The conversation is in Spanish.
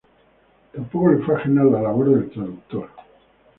Tampoco le fue ajena la labor de traductor.